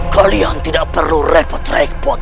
kalian tidak perlu repot repot